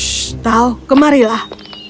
shh tao kemarilah